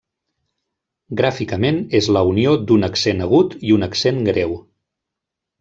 Gràficament és la unió d'un accent agut i un accent greu.